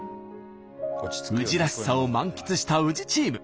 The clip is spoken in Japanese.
宇治らしさを満喫した宇治チーム。